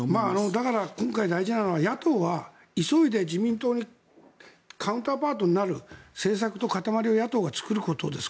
だから今回大事なのは野党は急いで自民党にカウンターパートになる政策と固まりを野党が作ることです。